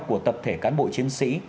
của tập thể cán bộ chiến sĩ